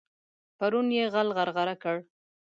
پرون يې غل غرغړه کړ.